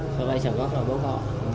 cho vay trả góp là vô gọn